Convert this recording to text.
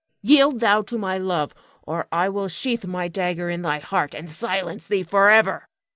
Yield thou to my love, or I will sheathe my dagger in thy heart, and silence thee forever!